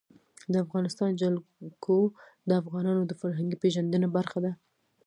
د افغانستان جلکو د افغانانو د فرهنګي پیژندنې برخه ده.